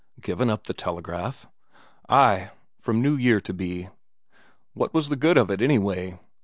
"Given up the telegraph?" "Ay, from new year to be. What was the good of it, anyway?